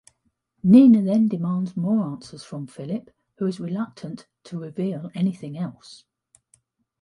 Nina then demands more answers from Phillip, who is reluctant to reveal anything else.